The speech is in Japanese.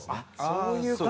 そういう事。